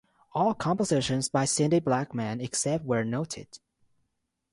All compositions by Cindy Blackman except where noted